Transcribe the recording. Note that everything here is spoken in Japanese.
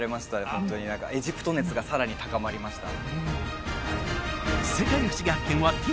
本当に何かエジプト熱がさらに高まりました